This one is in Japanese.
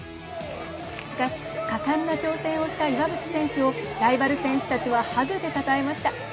しかし、果敢な挑戦をした岩渕選手をライバル選手たちはハグでたたえました。